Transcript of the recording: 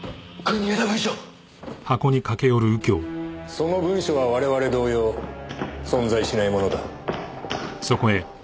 その文書は我々同様存在しないものだ。